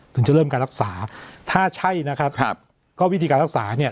ถึงจะเริ่มการรักษาถ้าใช่นะครับก็วิธีการรักษาเนี่ย